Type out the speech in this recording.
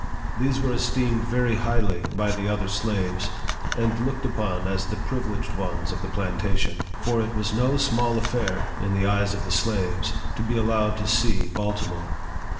These were esteemed very highly by the other slaves, and looked upon as the privileged ones of the plantation; for it was no small affair, in the eyes of the slaves, to be allowed to see Baltimore.